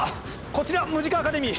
こちらムジカ・アカデミー。